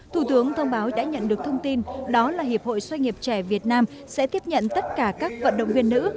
thủ tướng thông báo đã nhận được thông tin đó là hiệp hội xoay nghiệp trẻ việt nam sẽ tiếp nhận tất cả các vận động viên nữ